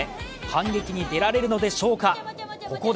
反撃に出られるのでしょうか。